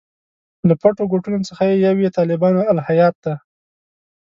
له پټو ګوټونو څخه یو یې طالبانو الهیات دي.